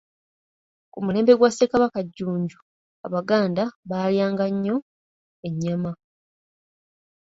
Ku mulembe gwa Ssekabaka Jjunju Abaganda baalyanga nnyo ennyama.